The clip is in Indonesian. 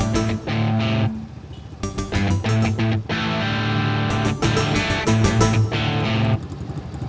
makanya lu yang khawatir